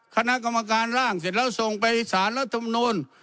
คณะกรรมการร่างเสร็จแล้วส่งไปสารรัฐมนูล